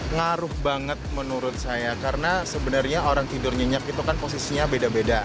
ngaruh banget menurut saya karena sebenarnya orang tidur nyenyak itu kan posisinya beda beda